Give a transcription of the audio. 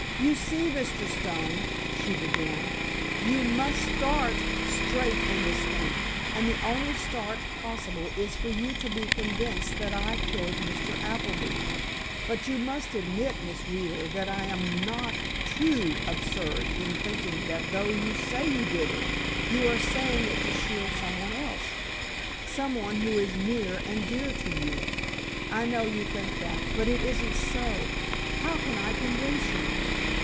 "You see, Mr. Stone," she began, "you must start straight in this thing. And the only start possible is for you to be convinced that I killed Mr. Appleby." "But you must admit, Miss Wheeler, that I am not too absurd in thinking that though you say you did it, you are saying it to shield some one else—some one who is near and dear to you." "I know you think that—but it isn't so. How can I convince you?"